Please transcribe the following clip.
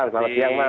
selamat siang mas